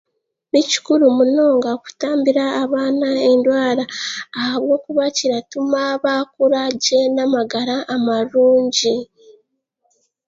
Nikikuru munonga kutambira abaana endwaara ahabw'okuba kiratuma bakura gye n'amagara amarungi.